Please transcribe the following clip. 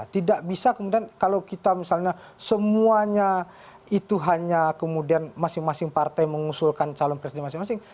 tidak bisa kemudian kalau kita misalnya semuanya itu hanya kemudian masing masing partai mengusulkan calon presiden masing masing